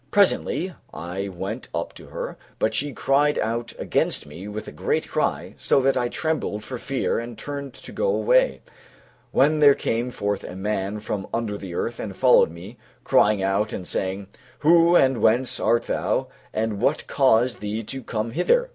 Presently I went up to her, but she cried out against me with a great cry, so that I trembled for fear and turned to go away, when there came forth a man from under the earth and followed me, crying out and saying, "Who and whence art thou, and what caused thee to come hither?"